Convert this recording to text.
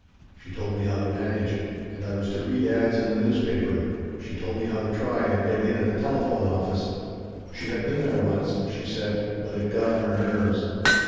She told me how to manage. And I was to read 'ads' in the newspaper. She told me how to try and get in at the telephone office. She had been there once, she said, but it 'got on her nerves.'